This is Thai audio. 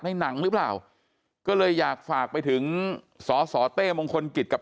หนังหรือเปล่าก็เลยอยากฝากไปถึงสสเต้มงคลกิจกับ